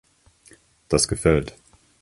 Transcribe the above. Das gefällt.